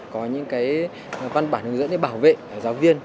có những văn bản hướng dẫn để bảo vệ giáo viên